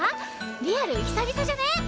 リアル久々じゃね？